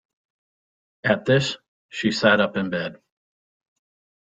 At this she sat up in bed.